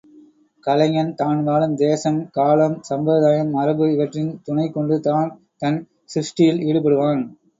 கலைஞன் தான் வாழும் தேசம், காலம், சம்பிரதாயம், மரபு இவற்றின் துணை கொண்டுதான் தன் சிருஷ்டியில் ஈடுபடுவான்.